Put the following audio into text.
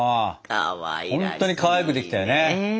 ほんとにかわいくできたよね！